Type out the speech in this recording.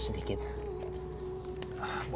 ya terima kasih ya mbak